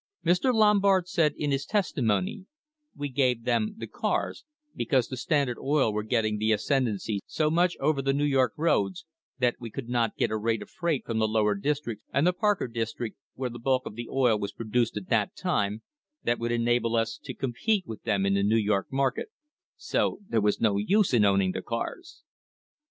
Mr. Lombard said in his testimony: "We sold them (the cars) because the Standard Oil Company were getting the ascendency so much over the New York roads that we could not get a rate of freight from the lower districts and the Parker district, where the bulk of the oil was produced at that time, that would enable us to compete with them in the New York market, so there was no use in owning the cars."